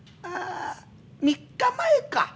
あ３日前か。